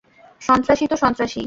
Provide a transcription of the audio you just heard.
সন্ত্রাসী তো সন্ত্রাসীই।